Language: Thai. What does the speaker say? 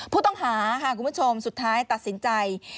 ผู้ต้องหาค่ะคุณผู้ชมสุดท้ายตัดสินใจ